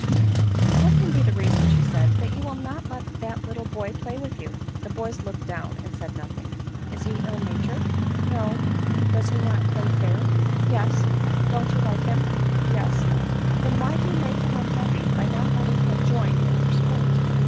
.„_^ x 156 ADELINE MOWBRAY. " What can be the reason," said she, " that you will not let that little boy play with you?" The boys looked down, and said nothing. " Is he ill natured ?"" No." " Does he not play fair ?" *Yes." " Don't you like him ?"" Yes." " Then why do you make him unhappy, by not letting him join in your sport